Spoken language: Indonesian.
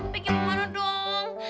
pergi kemana dong